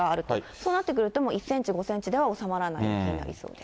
そうなってくると１センチ、５センチでは収まらない雪になりそうです。